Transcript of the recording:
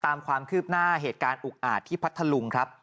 ตามความคืบหน้าเหตุการณ์อุกอาจที่พัทธลุงครับ